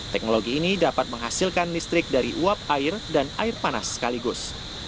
teknologi ini dapat menghasilkan listrik dari uap air dan air panas sekaligus